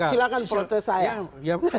silahkan protes saya